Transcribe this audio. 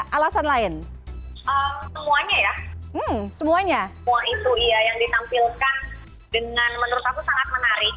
alasan lain semuanya ya semuanya itu iya yang ditampilkan dengan menurut aku sangat menarik